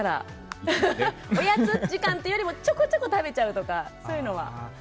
おやつ時間っていうよりもちょこちょこ食べちゃうとか。